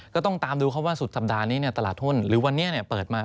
ก็ต้องตามดูครับว่าสุดสัปดาห์นี้ตลาดหุ้นหรือวันนี้เปิดมา